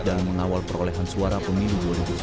dan mengawal perolehan suara pemilu dua ribu sembilan belas